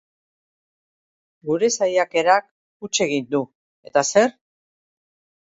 Gure saiakerak huts egin du, eta zer?